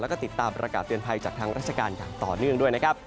แล้วก็ติดตามประกาศเตือนภัยจากทางราชการอย่างต่อเนื่องด้วยนะครับ